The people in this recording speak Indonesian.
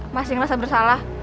masing rasa bersalah